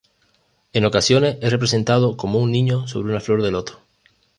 En ocasiones es representado como un niño sobre una flor de loto.